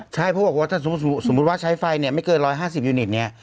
ใช่เพราะบอกว่าถ้าสมมุติว่าใช้ไฟเนี่ยไม่เกิน๑๕๐ยูนิตเนี่ย